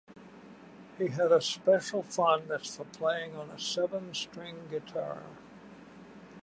He had a special fondness for playing on a seven string guitar.